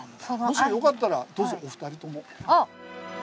もしよかったらどうぞお二人とも。